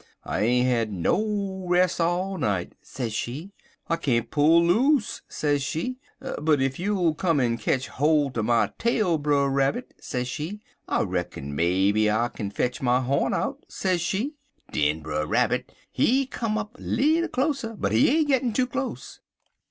'I ain't had no res' all night,' sez she. 'I can't pull loose,' sez she, 'but ef you'll come en ketch holt er my tail, Brer Rabbit,' sez she, 'I reckin may be I kin fetch my horn out,' sez she. Den Brer Rabbit, he come up little closer, but he ain't gittin' too close.